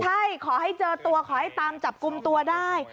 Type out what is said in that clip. ใช่ขอให้เจอตัวขอให้ตามจับกลุ่มตัวได้